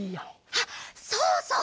あっそうそう！